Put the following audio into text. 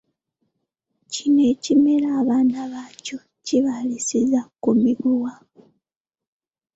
Kino ekimera abaana baakyo kibaliisiza ku miguwa.